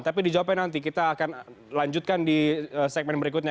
tapi dijawabkan nanti kita akan lanjutkan di segmen berikutnya